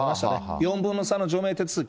４分の３の除名手続き。